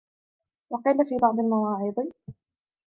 وَقِيلَ فِي بَعْضِ الْمَوَاعِظِ